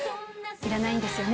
いらないんですよね。